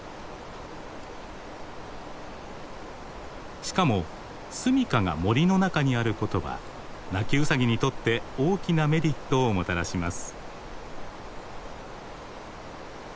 しかもすみかが森の中にあることはナキウサギにとって大きなメリットをもたらします。